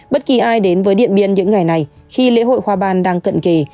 bất kỳ ai đến với điện biên những ngày này khi lễ hội hoa ban đang cận kề